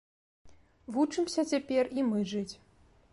Вучымся цяпер і мы жыць.